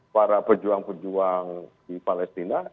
para pejuang pejuang di palestina